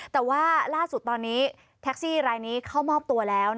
แต่ว่าล่าสุดตอนนี้แท็กซี่รายนี้เข้ามอบตัวแล้ว